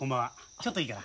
ちょっといいかな？